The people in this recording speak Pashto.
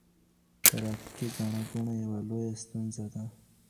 ترافیکي ګڼه ګوڼه یوه لویه ستونزه ده.